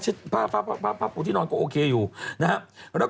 บ็อกเซอร์ไหมวะไม่รู้ว่ะแต่ภาพปูที่นอนก็โอเคอยู่นะครับ